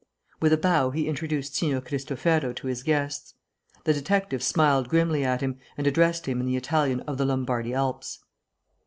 With a bow he introduced Signor Cristofero to his guests. The detective smiled grimly at him, and addressed him in the Italian of the Lombardy Alps.